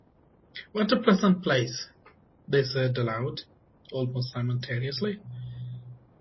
“What a pleasant place!” they said aloud, almost simultaneously.